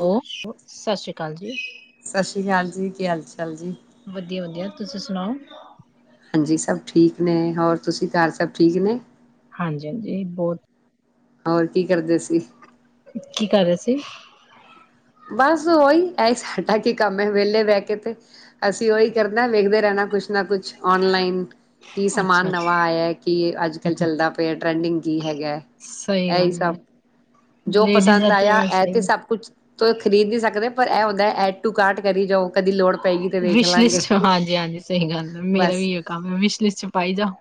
ਓ ਓ ਸਤਿ ਸ਼੍ਰੀ ਅਕਾਲ ਜੀ। ਕੀ ਹਾਲ ਜੀ ਕੀ ਹਾਲ ਚਾਲ ਜੀ। ਵਧੀਆ ਵਧੀਆ ਤੁਸੀ ਸੁਨਾਓ। ਹਾਂਜੀ ਸਭ ਠੀਕ ਨੇ ਹੋਰ। ਤੁਸੀ ਘਰ ਸਭ ਠੀਕ ਨੇ। ਹਾਂਜੀ-ਹਾਂਜੀ ਬਹੁਤ ਔਰ ਕੀ ਕਰਦੇ ਸੀ? ਕੀ ਕਰ ਰਹੇ ਸੀ? ਬਸ ਓਹੀ ਇਹ ਸਾਡਾ ਕੀ ਕੰਮ ਹੈ ਵਿਹਲੇ ਬਹਿ ਕੇ ਤੇ ਅਸੀ ਓਹੀ ਕਰਨਾ ਵੇਖਦੇ ਰਹਿਨਾ ਕੁਛ। ਨਾ ਕੁਛ ਔਨਲਾਈਨ ਕੀ ਅੱਛਾ ਸਮਾਨ ਨਵਾਂ ਅੱਛਾ ਆਇਆ ਏ ਕੀ ਅੱਜ ਕਲ ਚੱਲਦਾ ਪਿਆ ਟ੍ਰੈਂਡਿੰਗ ਚ ਹੀ ਹੈਗਾ ਸਹੀ ਐ ਇਹੀ ਗੱਲ ਹੈ ਸਭ ਜੋ ਲੇਡੀਜ਼ ਦਾ ਪਸੰਦ ਤੇ ਆਇਆ ਬਸ ਇਹ ਤੇ ਸਹੀ ਸਭ ਕੁਛ ਤੇ ਖਰੀਦ ਵੀ ਸਕਦੇ ਪਰ ਇਹ ਹੁੰਦਾ ਏ ਐਡ ਟੂ ਕਾਰਟ ਕਰੀ ਜਾਓ ਕਦੀ ਲੋੜ ਪਏਗੀ ਤੇ ਵੇਖ ਵਿਸ਼ ਲਾਂਗੇ। ਲਿਸਟ ਹਾਂਜੀ-ਹਾਂਜੀ ਸਹੀ ਗੱਲ ਹੈ ਮੇਰਾ ਵੀ ਇਹਓ ਕੰਮ ਹੈ ਵਿਸ਼ ਲਿਸਟ ਚ ਪਾਈ ਜਾਓ।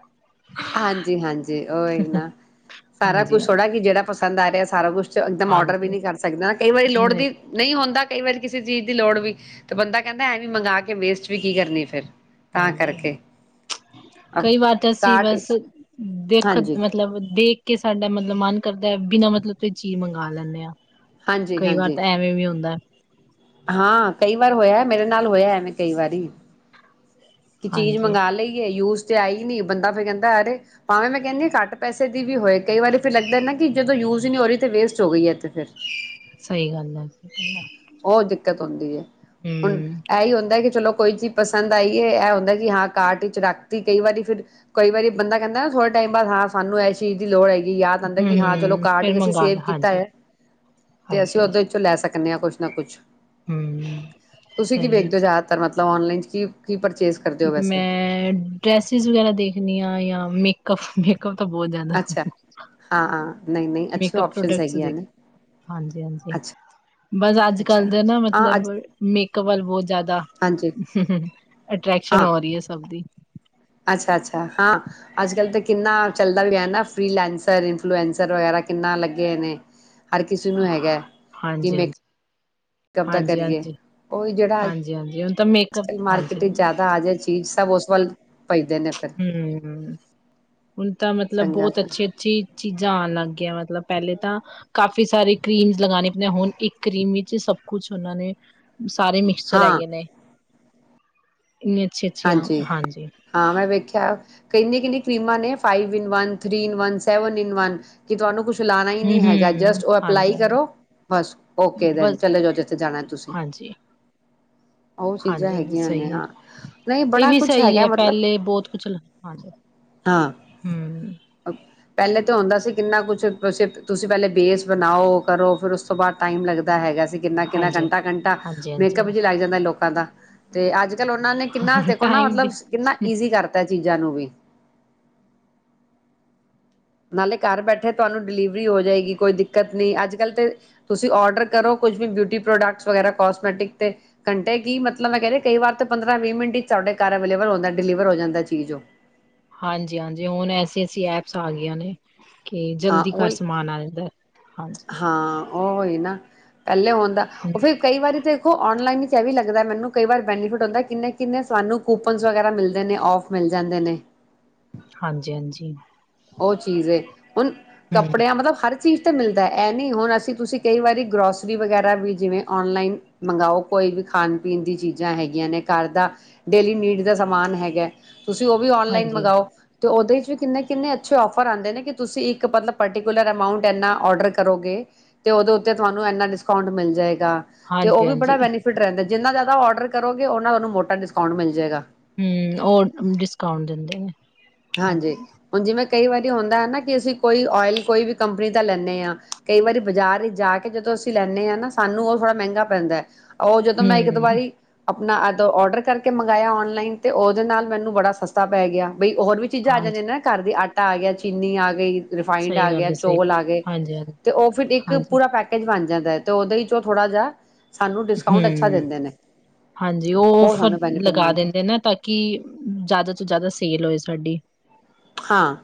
ਹਾਂਜੀ-ਹਾਂਜੀ ਓਹੀ ਨਾ ਸਾਰਾ ਹਾਂਜੀ ਕੁਛ ਹਾਂ ਥੋੜ੍ਹਾ ਕਿ ਜਿਹੜਾ ਪਸੰਦ ਆ ਰਿਹਾ ਹੈ ਸਾਰਾ ਕੁਛ। ਇਕਦਮ ਔਰਡਰ ਵੀ ਹਾਂਜੀ ਨਹੀਂ ਕਰ ਸਕਦੇ ਨਾ ਕਈ ਵਾਰੀ ਲੋੜ ਨਹੀਂ ਵੀ ਨਹੀਂ ਹੁੰਦਾ। ਕਈ ਵਾਰੀ ਕਿਸੇ ਚੀਜ ਦੀ ਲੋੜ ਹੋਈ ਤੇ ਬੰਦਾ ਕਹਿੰਦਾ ਐਂਵੇਂ ਮੰਗਾਂ ਕੇ ਵੇਸਟ ਵੀ ਕੀ ਕਰਨੀ ਏ ਫਿਰ। ਤਾਂ ਹਾਂਜੀ ਕਰਕੇ ਕਈ ਵਾਰ ਤਾ ਜੀ ਕਾਟ ਬਸ ਦੇਖ ਹਾਂਜੀ ਮਤਲਬ ਦੇਖ ਕੇ ਸਾਡਾ ਮਤਲਬ ਮਨ ਕਰਦਾ ਏ ਬਿਨਾਂ ਮਤਲਬ ਕੋਈ ਚੀਜ ਮੰਗਾ ਲੈਂਨੇਂ ਹਾਂ। ਹਾਂਜੀ ਕਈ ਵਾਰ ਹਾਂਜੀ ਤਾ ਐਵੇਂ ਵੀ ਹੁੰਦਾ ਏ ਹਾਂ ਕਈ ਵਾਰ ਹੋਇਆ ਮੇਰੇ ਨਾਲ ਹੋਇਆ ਐਂਵੇਂ। ਕਈ ਵਾਰੀ ਕਿ ਚੀਜ ਹਾਂਜੀ ਮੰਗਾ ਲਈਏ ਯੂਜ਼ ਤੇ ਆਈ ਹੀ ਨੀ ਬੰਦਾ ਫੇਰ ਕਹਿੰਦਾ ਅਰੇ ਭਾਵੇਂ ਮੈਂ ਕਹਿੰਨਿਆਂ ਘੱਟ ਪੈਸੇ ਦੀ ਵੀ ਹੋਏ ਕਈ ਵਾਰੀ ਫੇਰ ਲੱਗਦਾ ਏ ਨਾ ਕਿ ਜਦੋ ਯੂਜ਼ ਹੀ ਨੀ ਹੋ ਰਹੀ ਤੇ ਵੇਸਟ ਹੋ ਗਈ ਇਹ ਤੇ। ਫਿਰ ਸਹੀ ਗੱਲ ਹੈ। ਉਹ ਦਿੱਕਤ ਹੁੰਦੀ ਹੈ ਹੁਣ ਹਮ ਇਹੀ ਹੁੰ ਕਿ ਚਲੋ ਕੋਈ ਚੀਜ ਪਸੰਦ ਆਈਏ ਇਹ ਹੁੰਦਾ ਕਿ ਹਾਂ ਕਾਰਟ ਵਿਚ ਰੱਖਤੀ ਕਈ ਵਾਰੀ ਫਿਰ ਕਈ ਵਾਰੀ ਬੰਦਾ ਕਹਿੰਦਾ ਨਾ ਥੋੜੇ ਟਾਈਮ ਬਾਅਦ ਹਾਂ ਸਾਹਨੂੰ ਇਸ ਚੀਜ ਦੀ ਲੋੜ ਹੈ। ਫਿਰ ਯਾਦ ਆਉਂਦਾ ਕਿ ਹਾਂ ਚਲੋ ਹੂੰ, ਕਾਰਟ ਫੇਰ ਚ ਅਸੀ ਮੰਗਾ ਸੇਵ ਲਾ ਕੀਤਾ ਹਾਂਜੀ, ਹੋਇਆ ਤੇ ਅਸੀ ਉਹਦੇ ਵਿੱਚੋਂ ਲਏ ਸਕ ਇਹਨਿਆਂ ਕੁਛ ਨਾ ਕੁਛ ਹਮ ਸਹੀ ਤਾਂ ਔਨਲਾਈਨ ਤੁਸੀ ਕੀ ਪਰ ਮੈਂ ਡ੍ਰੈਸਿਸ ਵਗੈਰਾ ਦੇਖਨਿਆਂ ਯਾ ਮੇ ਕਫ ਮੇਕਪ ਤਾਂ ਬਹੁਤ ਜ਼ਿਆਦਾ ਅੱਛਾ ਹਾਂ ਹਾਂ ਨਹੀਂ ਨਹੀਂ ਅੱਛੀ ਮੇਕਪ ਆਪਸ਼ਨ ਪ੍ਰੋਡਕਟਸ ਹੈਗੀਆਂ ਦੀ ਨੇ ਹਾਂਜੀ-ਹਾਂਜੀ, ਅੱਛਾ ਬਸ ਅੱਜ ਅੱਛਾ ਕੱਲ ਦੇ ਨਾ ਹਾਂ ਮਤਲਬ ਅੱਜ ਮੇਕਅਪ ਵੱਲ ਬਹੁਤ ਜ਼ਿਆਦਾ ਹਾਂਜੀ ਅਟਰ੍ਰੈਕਸ਼ਨ ਹਾਂ ਹੋ ਰਹੀ ਹੈ ਸਭ ਦੀ ਅੱਛਾ-ਅੱਛਾ ਹਾਂ ਅੱਜ ਕੱਲ ਤਾਂ ਕਿੰਨਾ ਚੱਲਦਾ ਵੀ ਹੈ ਨਾ ਫੀਲੈਂਸਰ ਇਨਫਲੂਐਂਸਰ ਵਗੈਰਾ ਕਿੰਨਾ ਲੱਗੇ ਨੇ ਹਰ ਕਿਸੇ ਨੂੰ ਹੈਗਾ ਕਿ ਹਾਂਜੀ, ਮੇਕ ਹਾਂਜੀ, ਮੇਕਅਪ ਦਾ ਹਾਂਜੀ, ਕਰੀਏ, ਹਾਂਜੀ। ਉਹੀ ਜਿਹੜਾ ਅ ਹਾਂਜੀ, ਹਾਂਜੀ ਹੁਣ ਤਾਂ ਅੱਜ ਮੇਕਅਪ ਕੱਲ ਮਾਰਕਿਟ ਚ ਜ਼ਿਆਦਾ ਆ ਜਾਏ ਚੀਜ਼ ਤ ਉਸ ਵੱਲ ਭੱਜਦੇ ਨੇ ਫਿਰ ਹਮ ਹੁਣ ਤਾਂ ਮਤਲਬ ਚੰਗਾ ਬਹੁਤ ਜਾ ਅੱਛੀ-ਅੱਛੀ ਚੀਜ਼ਾਂ ਆਣ ਲੱਗ ਮਤਲਬ ਪਹਿਲੇ ਤਾਂ ਕਾਫੀ ਸਾਰੇ ਕਰੀਮਸ ਲਗਾਣੇ ਪਣੇ ਹੁਣ ਇੱਕ ਕਰੀਮ ਵਿੱਚ ਸਭ ਕੁਛ ਉਹਨਾਂ ਨੇ ਸਾਰੇ ਮਿਕਸਚਰ ਹਾਂ ਹੈਗੇ ਨੇ ਇੰਨੀ ਅੱਛੀ-ਅੱਛੀ ਆ, ਹਾਂਜੀ। ਹਾਂ ਮੈਂ ਵੇਖਿਆ ਕਿੰਨੀਆਂ-ਕਿੰਨੀਆਂ ਕਰੀਮਾਂ ਨੇ five in one three in one, seven in one ਕਿ ਤੁਹਾਨੂੰ ਕੁਛ ਚਲਾਣਾ ਹੀ ਨਹੀਂ ਹੈਗਾ ਹੂੰ-ਹੂੰ ਜਸਟ ਉਹ ਅਪਲਾਈ ਹਾਂਜੀ-ਹਾਂਜੀ ਕਰੋ ਬਸ ਓਕੇ ਦੈਨ ਬਸ ਚਲੇ ਜਾਓ ਜਿੱਥੇ ਜਾਣਾ ਤੁਸੀਂ ਉਹ ਚੀਜ਼ਾਂ ਹਾਂਜੀ-ਹਾਂਜੀ-ਹਾਂਜੀ ਹੈਗੀਆਂ ਨੇ ਸਹੀ ਹੈ ਹਾਂ ਇਹ ਬੜਾ ਵੀ ਕੁਛ ਸਹੀ ਹੈਗਾ ਹੈ ਮਤਲਬ ਪਹਿਲੇ ਬਹੁਤ ਕੁਛ ਹਮ ਹਾਂ ਪਹਿਲੇ ਤਾਂ ਹੁੰਦਾ ਸੀ। ਕਿੰਨਾ ਕੁਛ ਤੁਸੀਂ ਪਹਿਲੇ ਬੇਸ ਬਣਾਓ ਕਰੋ ਫਿਰ ਉਸ ਤੋਂ ਬਾਅਦ ਟਾਈਮ ਲੱਗਦਾ ਹੈਗਾ ਕਿੰਨਾ-ਕਿੰਨਾ, ਹਾਂਜੀ ਘੰਟਾ-ਘੰਟਾ ਹਾਂਜੀ-ਹਾਂਜੀ ਮੇਕਅੱਪ ਚ ਲੱਗ ਜਾਂਦਾ ਲੋਕਾਂ ਦਾ ਤੇ ਅੱਜ ਕੱਲ ਉਹਨਾਂ ਕਿੰਨਾ ਦੇਖੋ ਨਾ ਟਾਈਮ ਦੀ ਮਤਲਬ ਕਿੰਨਾ ਈਜ਼ੀ ਕਰਤਾ ਚੀਜ਼ਾਂ ਨੂੰ ਵੀ ਨਾਲੇ ਘਰ ਬੈਠੇ ਤੁਹਾਨੂੰ ਡਿਲੀਵਰੀ ਹੋ ਜਾਏਗੀ, ਕੋਈ ਦਿੱਕਤ ਨਹੀਂ। ਅੱਜ ਕੱਲ ਤੇ ਤੁਸੀਂ ਔਡਰ ਕਰੋ ਕੁਝ ਵੀ ਬਿਊਟੀ ਪ੍ਰੋਡਕਟਸ ਵਗਰਾ ਕੋਸਮੈਟਿਕ ਘੰਟੇ ਇ ਕੀ ਮਤਲਬ ਮੈਂ ਕਹਿੰਦੇ ਕਈ ਵਾਰ ਤੇ ਪੰਦਰਾਂ ਵੀਹ ਮਿੰਟ ਤੁਹਾਡੇ ਘਰ ਅਵੇਲੇਬਲ ਹੁੰਦਾ ਡਿਲੀਵਰ ਹੋ ਜਾਂਦਾ ਚੀਜ਼ ਉਹ। ਹਾਂਜੀ-ਹਾਂਜੀ, ਹੁਣ ਐਸੀ-ਐਸੀ ਐਪਸ ਆ ਗਈਆਂ ਨੇ ਕੇ ਹਾਂ ਜਲਦੀ ਘਰ ਉਹੀ ਸਮਾਨ ਆ ਜਾਂਦਾ ਏ। ਹਾਂ ਉਹ ਹੀ ਨਾ [inaudible] ਪਹਿਲੇ ਹੋਣਦਾ ਹੂੰ ਉਹ ਫੇਰ ਕਈ ਵਾਰੀ ਦੇਖੋ ਔਨਲਾਈਨ ਵੀ ਲੱਗਦਾ ਮੈਨੂੰ ਕਈ ਵਾਰ ਬੈਨੀਫਿਟ ਹੁੰਦਾ ਕਿੰਨੇ ਕਿੰਨੇ ਸਾਨੂੰ ਕੂਪਨ ਵਗੈਰਾ ਮਿਲਦੇ ਨੇ ਔਫ ਮਿਲ ਜਾਂਦੇ ਨੇ। ਹਾਂਜੀ-ਹਾਂਜੀ। ਉਹ ਚੀਜ਼ ਏ ਹੁਣ ਕੱਪੜਿਆਂ ਮਤਲਬ ਹਰ ਹਰ ਚੀਜ਼ ਤਾਂ ਮਿਲਦਾ ਇਹ ਨੀ ਹੁਣ ਅਸੀਂ ਤੁਸੀਂ ਕਈ ਵਾਰੀ ਗਰੋਸਰੀ ਵਗੈਰਾ ਵੀ ਜਿਵੇਂ ਓਨਲਾਈਨ ਮੰਗਓ ਕੋਈ ਵੀ ਖਾਣ ਪੀਣ ਦੀ ਚੀਜ਼ਾਂ ਹੈਗੀਆਂ ਨੇ ਘਰ ਦਾ ਡੇਲੀ ਨੀਡ ਦਾ ਸਮਾਨ ਹੈਗਾ। ਤੁਸੀਂ ਉਹ ਵੀ ਔਨਲਾਈਨ ਹਾਂਜੀ ਮੰਗਾਓ। ਤੇ ਉਹਦੇ ਵਿੱਚ ਵੀ ਕਿੰਨੇ ਕਿੰਨੇ ਅੱਛੇ ਔਫਰ ਆਉਂਦੇ ਨੇ ਕਿ ਤੁਸੀਂ ਇੱਕ ਮਤਲਬ ਪਰਟੀਕੁਲਰ ਅਮਾਊਂਟ ਇੰਨਾ ਔਡਰ ਕਰੋਗੇ ਤੇ ਉਹਦੇ ਉੱਤੇ ਤੁਹਾਨੂੰ ਇਨਾ ਡਿਸਕਾਊਂਟ ਮਿਲ ਜਾਏ ਗਾ ਤੇ ਉਹ ਹਾਂਜੀ ਵੀ ਹਾਂਜੀ ਬੜਾ ਬੈਨੀਫਿਟ ਰਹਿੰਦਾ। ਜਿੰਨਾ ਜ਼ਿਆਦਾ ਔਡਰ ਕਰੋਗੇ ਉਹਨਾਂ ਤੁਹਾਨੂੰ ਮੋਟਾ ਡਿਸਕਾਊਂਟ ਮਿਲ ਜੇਗਾ। ਹਮ ਉਹ ਡਿਸਕਾਊਂਟ ਦਿੰਦੇ ਨੇ। ਹਾਂਜੀ ਹੁਣ ਜਿਵੇਂ ਕਈ ਵਾਰੀ ਹੁੰਦਾ ਹੈ ਨਾ ਕਿ ਅਸੀਂ ਕੋਈ ਓਇਲ ਕੋਈ ਵੀ ਕੰਪਨੀ ਦਾ ਲੈਂਨੇ ਹਾਂ ਕਈ ਵਾਰੀ ਬਾਜ਼ਾਰ ਵਿੱਚ ਜਾ ਕੇ ਜਦੋਂ ਅਸੀਂ ਲੈਂਨੇ ਹਾਂ ਨਾ ਸਾਨੂੰ ਉਹ ਥੋੜ੍ਹਾ ਮਹਿੰਗਾ ਪੈਂਦਾ। ਉਹ ਜਦੋਂ ਮੈਂ ਇੱਕ ਦੋ ਹਮ ਵਾਰੀ ਆਪਣਾ ਅਦੋਂ ਔਡਰ ਕਰਕੇ ਮੰਗਾਇਆ ਔਨਲਾਈਨ ਅਤੇ ਉਹਦੇ ਨਾਲ ਮੈਨੂੰ ਬੜਾ ਸਸਤਾ ਪੈ ਗਿਆ ਬਈ ਹੋਰ ਵੀ ਚੀਜ਼ਾਂ ਆ ਹਾਂਜੀ ਜਾਂਦੀਆਂ ਨੇ ਨਾ ਘਰ ਦੀ ਆ ਆ ਗਿਆ ਚੀਨੀ ਆ ਗਈ। ਰਿਫਾਇੰਡ ਸਹੀ ਆ ਗੱਲ ਗਿਆ, ਹੈ ਸਹੀ ਚੋਲ ਆ ਗਏ ਹਾਂਜੀ ਹਾਂਜੀ ਤੇ ਉਹ ਫਿਰ ਇੱਕ ਹਾਂਜੀ ਪੂਰਾ ਪੈਕੇਜ ਬਣ ਜਾਂ ਤੇ ਉਹਦੇ ਚ ਉਹ ਥੋੜਾ ਜਿਹਾ ਸਾਨੂੰ ਡਿਸਕਾਊਂਟ ਅੱਛਾ ਹਮ ਦਿੰਦੇ ਨੇ ਹਾਂਜੀ ਉਹ ਫਰ ਸਾਨੂੰ ਬੈਨੀਫਿਟ ਲਗਾ ਮਿਲਦਾ ਦਿੰਦੇ ਨਾ ਤਾਂ ਕਿ ਜ਼ਿਆਦਾ ਤੋਂ ਜ਼ਿਆਦਾ ਸੇਲ ਹੋਏ ਸਾਡੀ। ਹਾਂ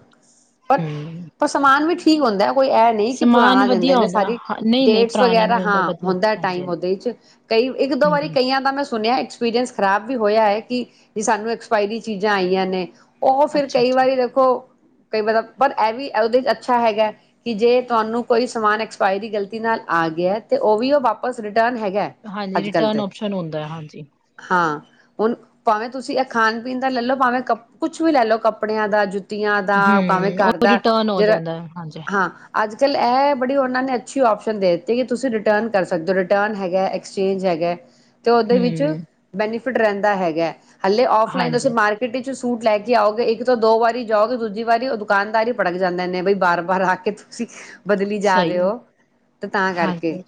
ਪਰ, ਹਮ ਪਰ ਸਮਾਨ ਵੀ ਠੀਕ ਹੁੰਦਾ। ਕੋਈ ਇਹ ਨਹੀਂ ਕਿ ਸਮਾਨ ਪੁਰਾਣਾ ਦਿੰਦੇ ਵਧੀਆ ਨੇ ਹੁੰਦਾ ਸਾਰੀ ਨਹੀਂ ਨਹੀਂ ਡੇਟਸ ਪੁਰਾਣਾ ਵਗੈਰਾ ਨੀ ਹਾਂ ਵਧੀਆ ਹੁੰਦਾ ਹਾਂਜੀ ਟਾਈਮ ਹਾਂਜੀ ਉਹਦੇ ਚ ਕਈ ਇੱਕ ਦੋ ਵਾਰੀ ਹਮ ਕਈਆਂ ਦਾ ਮੈਂ ਸੁਣਿਆ ਐਕਸਪੀਰੀਅੰਸ ਖਰਾਬ ਵੀ ਹੋਇਆ ਹੈ ਕਿ ਸਾਨੂੰ ਐਕਸਪਾਇਰੀ ਚੀਜ਼ਾਂ ਆਈਆਂ ਨੇ। ਉਹ ਫਿਰ ਅੱਛਾ ਕਈ ਅੱਛਾ ਵਾਰੀ ਕਈ ਵਾ ਪਰ ਇਹ ਵੀ ਉਹਦੇ ਚ ਅੱਛਾ ਹੈਗਾ ਕਿ ਜੇ ਤੁਹਾਨੂੰ ਕੋਈ ਸਮਾਨ ਐਕਸਪਾਇਰੀ ਗਲਤੀ ਨਾਲ ਆ ਗਿਆ ਤੇ ਉਹ ਵੀ ਉਹ ਵਾਪਸ ਰਿ ਟਨ ਹੈਗਾ ਹਾਂਜੀ ਅੱਜ ਕੱਲ ਰਿਟਰਨ ਤੇ ਓਪਸ਼ਨ ਹੁੰਦਾ ਹਾਂਜੀ ਹਾਂ। ਹੁਣ ਭਾਵੇਂ ਤੁਸੀਂ ਇਹ ਖਾਣ ਪੀਣ ਦਾ ਲੈ ਲਓ ਭਾਵੇਂ ਕ ਕੁਛ ਵੀ ਲੈ ਲਓ ਕੱਪੜਿਆਂ ਦਾ ਜੁ ਟੀਆਂ ਦਾ ਉਹ ਭਾਵੇਂ ਹਮ ਘਰ ਉਹ ਦਾ ਰਿਟਰਨ ਹੋ ਜਿਹੜਾ ਜਾਂਦਾ ਹਾਂਜੀ ਹਾਂ ਅੱਜ ਕੱਲ ਇਹ ਬੜੀ ਉਹਨਾਂ ਨੇ ਅੱਛੀ ਆਪਸ਼ਨ ਦੇ ਦਿੱਤੀ ਕਿ ਤੁਸੀਂ ਰਿਟਰਨ ਕਰ ਸਕਦੇ ਹੋ ਰਿਟਰਨ ਹੈਗਾ, ਐਕਸਚੇਂਜ ਹੈਗਾ। ਤੇ ਉਹਦੇ ਵਿੱਚ ਹਮ ਬੈਨੀ ਫਿਟ ਰਹਿੰਦਾ ਹੈਗਾ। ਹਲੇ ਔਫਲਾਈਨ ਦਾ ਸ ਹਾਂਜੀ ਮਾਰਕਿਟ ਇਚ ਸੂਟ ਲੈ ਕੇ ਆਓਗੇ ਇੱਕ ਤੋਂ ਦੋ ਵਾਰੀ ਜਾਓਗੇ ਦੂਜੀ ਵਾਰੀ ਉਹ ਦੁਕਾਨਦਾਰ ਹੀ ਭੜਕ ਜਾਂਦੇ ਨੇ ਬਈ ਬਾਰ-ਬਾਰ ਆ ਕੇ ਤੁਸੀਂ ਬਦਲੀ ਜਾ ਰਹੇ ਸਹੀ ਹੈ ਹੋ ਤੇ ਤਾਂ ਕਰਕੇ, ਹਾਂਜੀ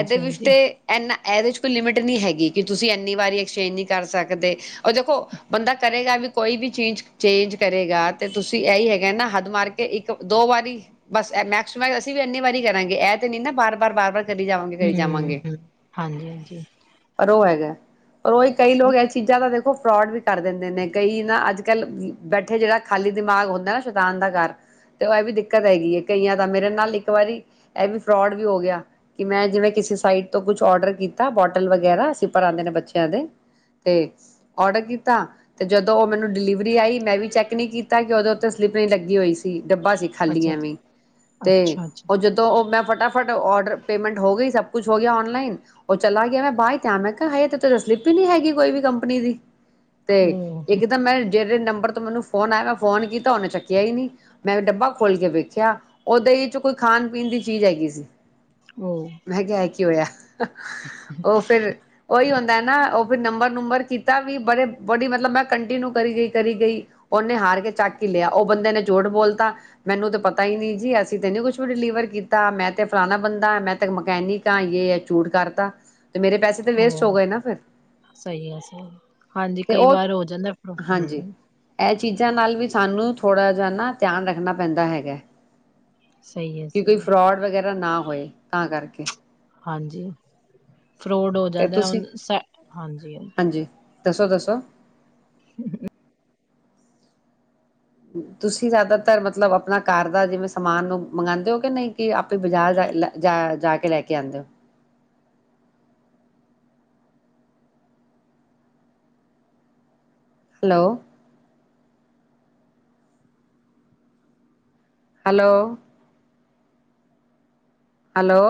ਇਦੇ ਵਿੱਚ ਹਾਂਜੀ ਤੇ ਇਨਾ ਇਹਦੇ ਚ ਕੋਈ ਲਿਮਿਟ ਨਹੀਂ ਹੈਗੀ ਕਿ ਤੁਸੀਂ ਇੰਨੀ ਵਾਰੀ ਐਕਸਚੇਂਜ ਨਹੀਂ ਕਰ ਸਕਦੇ ਉਹ ਦੇਖੋ ਬੰਦਾ ਕਰੇਗਾ ਵੀ ਕੋਈ ਵੀ ਚੀਜ਼ ਚੇਂਜ ਕ ਰੇਗਾ ਤੇ ਤੁਸੀਂ ਇਹੀ ਹੈਗਾ ਨਾ ਹੱਦ ਮਾਰ ਕੇ ਇੱਕ ਦੋ ਵਾਰੀ ਬਸ ਮੈਕਸ ਟ ਮੈਕ ਅਸੀਂ ਵੀ ਇੰਨੀ ਵਾਰੀ ਕਰਾਂਗੇ ਇਹ ਤੇ ਨੀ ਨਾ ਬਾਰ-ਬਾਰ, ਬਾਰ-ਬਾਰ। ਕਰੀ ਜਾਵਾਂਗੇ ਕਰੀ ਹਮ ਜਾਵਾਂਗੇ ਹਮ ਹਾਂਜੀ ਹਾਂਜੀ ਪਰ ਉਹ ਹੈਗਾ ਪਰ ਉਹੀ ਕਈ ਲੋਕ ਇਹ ਚੀਜ਼ਾਂ ਦਾ ਦੇਖੋ ਫਰੋਡ ਵੀ ਕਰ ਦਿੰਦੇ ਨੇ ਕਈ ਨਾ ਅੱਜ ਕੱਲ ਬੈ ਜਹੜਾ ਖਾਲੀ ਦਿਮਾਗ ਹੁੰਦਾ ਨਾ ਸ਼ੈਤਾਨ ਦਾ ਘਰ ਤੇ ਉਹ ਇਹ ਵੀ ਦਿੱਕਤ ਹੈਗੀ ਹੈ ਕਈਆਂ ਦਾ ਮੇਰੇ ਨਾਲ ਇੱਕ ਵਾਰੀ ਇਹ ਵੀ ਫਰੋਡ ਵੀ ਹੋ ਗਿਆ ਕਿ ਮੈਂ ਜਿਵੇ ਕਿਸੇ ਸਾਈਟ ਤੋਂ ਕੁਛ ਓਡਰ ਕੀਤਾ ਬੋਟਲ ਵਗੈਰਾ ਅਸੀਂ ਭਰ ਆਉਂਦੇ ਨੇ ਬੱਚਿਆਂ ਦੇ ਤੇ ਓਡਰ ਕੀਤਾ ਤੇ ਜਦੋਂ ਉਹ ਮੈਨੂੰ ਡਿਲੀਵਰੀ ਆਈ ਮੈਂ ਵੀ ਚੈੱਕ ਨਹੀਂੀ ਕੀਤਾ ਕਿ ਉਹਦੇ ਉੱਤੇ ਸਲਿੱਪ ਨਹੀਂ ਲੱਗੀ ਹੋਈ ਸੀ ਡੱਬਾ ਸੀ ਖਾਲੀ ਅੱਛਾ ਐਵੇ ਤੇ ਅੱਛਾ ਅੱਛਾ ਉਹ ਜਦੋਂ ਉਹ ਮੈਂ ਫਟ ਫਟਾਫਟ ਔਡਰ ਪੇਮੈਂਟ ਹੋ ਗਈ ਸਭ ਕੁਛ ਹੋ ਗਿਆ ਨਲਾਈਨ ਉਹ ਚਲਾ ਗਿਆ ਮੈਂ ਬਾ ਤੇ ਮੈਂ ਕਿਹਾ ਹ ਤੇ ਸਲਿਪ ਹੀ ਨਹੀਂੀ ਹੈਗੀ ਕੋਈ ਵੀ ਕੰਪਨੀ ਦੀ ਤੇ ਉਹ ਇੱਕ ਤਾਂ ਮੈਂ ਜਿਹੜੇ ਨੰਬਰ ਤੋਂ ਮੈਨੂੰ ਫੋਨ ਆਇਆ ਮੈਂ ਫੋਨ ਕੀਤਾ ਉਹਨੇ ਚੱਕਿਆ ਹੀ ਨਹੀਂੀ ਮੈਂ ਡੱਬਾ ਖੋਲ ਕੇ ਵੇਖਿਆ ਓਦੇ ਹੀ ਚ ਕੋਈ ਖਾਣ ਪੀਣ ਦੀ ਚੀਜ਼ ਹੈਗੀ ਸੀ ਉਹ ਮੈਂ ਕਿਹਾ ਉਹ ਫਿਰ ਉਹੀ ਹੁੰਦਾ ਨਾ ਉਹ ਵੀ ਨੰਬਰ ਉਮਰ ਕੀਤਾ ਵੀ ਬੜੇ ਬੜੀ ਮਤਲਬ ਮੈਂ ਕੰਟੀਨਿਊ ਕਰੀ ਗਈ ਕਰੀ ਗਈ ਉਹਨੇ ਹਾਰ ਕੇ ਚੱਕ ਹੀ ਲਿਆ ਉਹ ਬੰਦੇ ਨੇ ਚੂਠ ਬੋਲਤਾ ਮੈਨੂੰ ਤੇ ਪਤਾ ਹੀ ਨੀ ਜੀ ਅਸੀਂ ਤੇ ਨੀ ਕੁਛ ਵੀ ਡਿਲੀਵਰ ਕੀਤਾ ਮੈਂ ਤੇ ਫਲਾਣਾ ਬੰਦਾ ਮੈਂ ਤੇ ਮਕੈਨਿਕ ਆ ਯ ਚੂਟ ਕਰਤਾ ਤੇ ਮੇਰੇ ਪੈਸੇ ਤੇ ਵੇਸਟ ਹੋ ਗਏ ਨਾ ਫਿਰ ਸਹੀ ਆ ਸਹੀ ਹਾਂਜੀ ਤੇ ਕਈ ਉਹ ਵਾਰ ਹੋ ਜਾਂਦਾ ਹਾਂਜੀ ਹਮ ਇਹ ਚੀਜ਼ਾਂ ਨਾਲ ਵੀ ਸਾਨੂੰ ਥੋੜ੍ਹਾ ਜਿਹਾ ਨਾ ਧਿਆਨ ਰੱਖਣਾ ਪੈਂਦਾ ਹੈਗਾ ਸਹੀ ਹੈ ਕਿ ਕੋਈ ਸਹੀ ਹੈ ਫਰੋਡ ਵਗੈਰਾ ਨਾ ਹੋਏ ਤਾਂ ਕਰਕੇ ਹਾਂਜੀ ਫਰੋਡ ਹੋ ਤੇ ਜਾਂਦਾ ਤੁਸੀਂ ਹਾਂਜੀ ਹਾਂਜੀ ਦੱਸੋ ਦੱਸੋ ਹ ਤੁਸੀਂ ਜ਼ਿਆਦਾਤਰ ਮਤਲਬ ਆਪਣਾ ਘਰ ਦਾ ਜਿਵੇਂ ਸਮਾਨ ਨੂੰ ਮੰਗਵਾਉਂਦੇ ਹੋ ਕਿ ਨਹੀਂ ਕਿ ਆਪੇ ਬਾਜ਼ਾਰ ਜਾ ਜਾ ਕੇ ਲੈ ਕੇ ਆਉਂਦੇ ਹੋ ਹੈਲੋ ਹੈਲੋ ਹੈਲੋ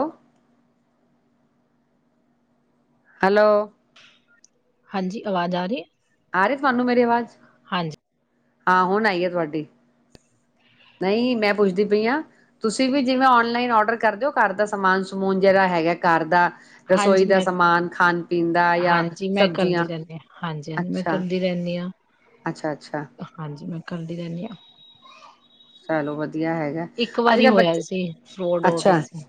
ਹੈਲੋ ਹਾਂਜੀ ਆਵਾਜ਼ ਆ ਰਹੀ ਹੈ ਆਾਰੇ ਤੁਹਾਨੂੰ ਮੇਰੀ ਆਵਾਜ਼ ਹਾਂਜੀ ਹਾਂ ਹੁਣ ਆਈ ਆ ਤੁਹਾਡੀ ਨਹੀਂ ਮੈਂ ਪੁੱਛਦੀ ਪਈ ਹਾਂ ਤੁਸੀਂ ਵੀ ਜਿਵੇਂ ਓਨਲਾਈਨ ਔਡਰ ਕਰਦੇਓ ਘਰ ਦਾ ਸਮਾਨ ਸਮੂਨ ਜਿਹੜਾ ਹੈਗਾ ਘਰ ਦਾ ਹਾਂਜੀ ਰਸੋਈ ਦਾ ਮੈਂ ਸਮਾਨ ਖਾਣ ਪੀਣ ਦਾ ਜਾਂ ਹਾਂਜੀ ਮੈਂ ਸਬਜ਼ੀਆਂ ਕਰਦੀ ਰਹਿੰਦੀ ਹਾਂ ਹਾਂਜੀ ਹਾਂਜੀ ਮੈਂ ਅੱਛਾ ਕਰਦੀ ਰਹਿੰਦੀ ਹਾਂ ਅੱਛਾ ਅੱਛਾ ਹਾਂਜੀ ਮੈਂ ਕਡੀ ਧਨਿਆ ਚਲੋ ਵਧੀ ਇੱਕ ਵਾਰੀ ਹੋਇਆ ਸੀ ਫਰੋਡ ਹੋ ਗਿਆ ਅੱਛਾ ਸੀ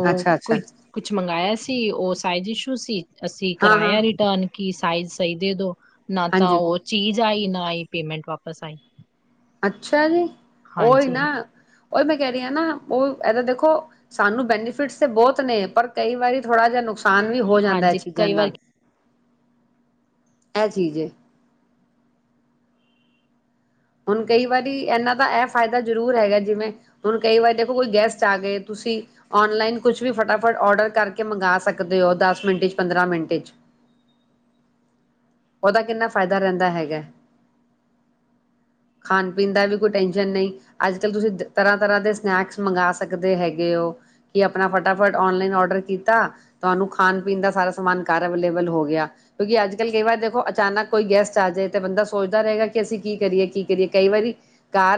ਉਹ ਅੱਛਾ ਅੱਛਾ ਕੁ ਕੁਛ ਮੰਗਾਇਆ ਸੀ ਉਹ ਸਾਇ ਖੁਸ਼ਤ ਅਸੀਂ ਹਾਂ ਹਾਂ ਕਰਾਇਆ ਰਿਟਰਨ ਕੀ ਸਾਈਜ਼ ਸਹੀ ਦੇ ਦੋ ਨਾ ਤਾਂ ਹਾਂਜੀ ਉਹ ਚੀਜ਼ ਆਈ ਨਾ ਆਈ ਪੇਮੈਂਟ ਵਾਪਸ ਆਈ ਅੱਛਾ ਜੀ ਉਹਈ ਹਾਂਜੀ ਨਾ ਉਹ ਮੈਂ ਕਹਿ ਰਹੀ ਹਾਂ ਨਾ, ਉਹ ਇਹਦਾ ਦੇਖੋ ਸਾਨੂੰ ਬੈਨੀਫਿਟਸ ਤੇ ਬਹੁਤ ਨੇ ਪਰ ਕਈ ਵਾਰੀ ਥੋੜਾ ਜਿਹਾ ਨੁਕਸਾਨ ਨੁਕਸਾਨ ਵੀ ਹੋ ਜਾਂਦਾ ਇਹ ਹਾਂਜੀ ਚੀਜ਼ਾਂ ਕਈ ਵਾਰ ਨਾਲ ਇਹ ਚੀਜ਼ ਹੈ। ਹੁ ਕਈ ਵਾਰੀ ਇਹਨਾਂ ਦਾ ਇਹ ਫਾਇਦਾ ਜ਼ਰੂਰ ਹੈਗਾ ਜਿਵੇਂ ਹੁਣ ਕਈ ਵਾਰੀ ਦੇਖੋ ਕੋਈ ਗੈਸਟ ਆ ਗਏ ਤੁਸੀਂ ਆਨਲਾਈਨ ਕੁਛ ਵੀ ਫਟਾਫਟ ਓਡਰ ਕਰਕੇ ਮੰਗਵਾ ਸਕਦੇ ਹੋ ਦਸ ਮਿੰਟ ਚ, ਪੰਦਰਾਂ ਮਿੰਟ ਚ ਓਦਾ ਕਿੰਨਾ ਫਾਇਦਾ ਰਹਿੰਦਾ ਹੈਗਾ। ਖਾਣ-ਪੀਣ ਦਾ ਵੀ ਕੋਈ ਟੈਨਸ਼ਨ ਨਹੀਂ, ਅੱਜ-ਕੱਲ ਤੁਸੀਂ ਤਰ੍ਹਾਂ-ਤਰ੍ਹਾਂ ਦੇ ਸਨੈਕਸ ਮੰਗਵਾ ਸਕਦੇ ਹੈਗੇ ਹੋ ਕਿ ਆਪਣਾ ਫਟਾ-ਫਟ ਆਨਲਾਈਨ ਆਰਡਰ ਕੀਤਾ। ਤੁਹਾਨੂੰ ਖਾਣ-ਪੀਣ ਦਾ ਸਾਰਾ ਸਮਾਨ ਘਰ ਅਵੇਲੇਬਲ ਹੋ ਗਿਆ ਕਿਉਂਕਿ ਅੱਜ-ਕੱਲ ਕਈ ਵਾਰ ਦੇਖੋ ਅਚਾਨਕ ਕੋਈ ਗੈਸਟ ਆ ਜਾਏ ਤੇ ਬੰਦਾ ਸੋਚਦਾ ਰਹੇਗਾ ਕਿ ਅਸੀਂ ਕੀ ਕਰੀਏ? ਕੀ ਕਰੀਏ ਕਈ ਵਾਰੀ ਘਰ